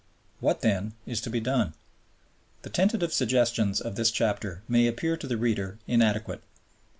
What then is to be done? The tentative suggestions of this chapter may appear to the reader inadequate.